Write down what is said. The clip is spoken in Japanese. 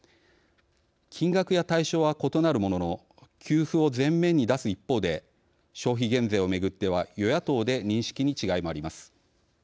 金額や対象は異なるものの給付を前面に出す一方で消費減税をめぐっては与野党で認識に違いもあります。